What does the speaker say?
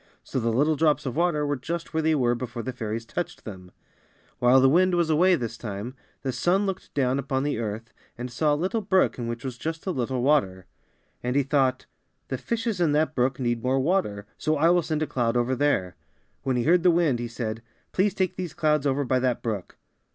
So the little drops of water were just where they were before the fairies touched them. While the wind was away this time the sun looked down upon the earth and saw a little brook in which was just a little water, and he 16 UP TO THE SKY AND BACK. thought, ^The fishes in that brook need more water, so I will send a cloud over there.'' When he heard the wind he said, ^Tlease take these clouds over by that brook."